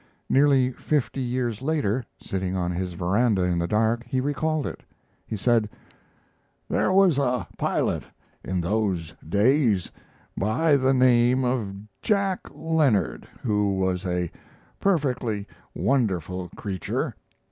Nearly fifty years later, sitting on his veranda in the dark, he recalled it. He said: "There was a pilot in those days by the name of Jack Leonard who was a perfectly wonderful creature.